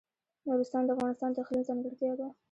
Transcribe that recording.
نورستان د افغانستان د اقلیم ځانګړتیا ده.